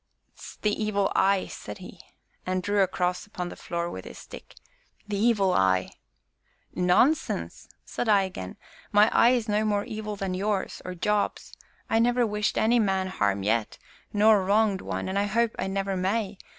"'Tis the 'Evil Eye'!" said he, and drew across upon the floor with his stick, "the 'Evil Eye'!" "Nonsense!" said I again; "my eye is no more evil than yours or Job's. I never wished any man harm yet, nor wronged one, and I hope I never may.